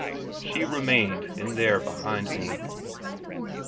She remained in there behind me.